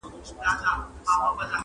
زه یې نه سمه لیدلای چي ستا ښکار وي!.